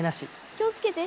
気をつけて。